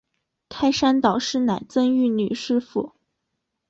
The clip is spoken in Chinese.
开山导师乃曾玉女师傅。